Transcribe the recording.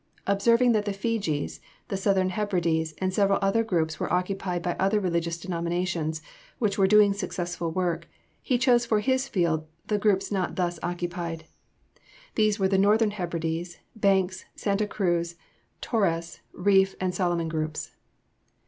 Observing that the Fijis, the Southern Hebrides, and several other groups were occupied by other religious denominations which were doing successful work, he chose for his field the groups not thus occupied. These were the Northern Hebrides, Banks, Santa Cruz, Torres, Reef, and Solomon Groups....